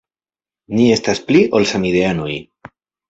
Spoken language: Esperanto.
Ni estas pli ol samideanoj.